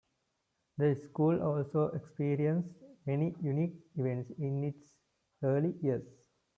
The school also experienced many unique events in its early years.